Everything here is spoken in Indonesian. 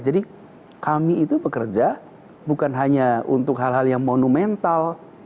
jadi kami itu pekerja bukan hanya untuk hal hal yang monumental